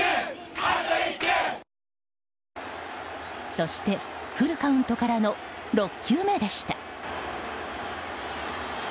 そしてフルカウントからの６球目でした。